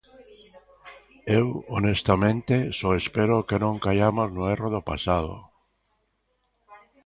Eu, honestamente, só espero que non caiamos no erro do pasado.